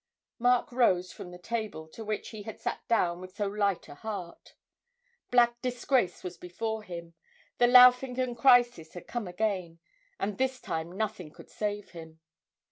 Mark rose from the table to which he had sat down with so light a heart. Black disgrace was before him, the Laufingen crisis had come again, and this time nothing could save him.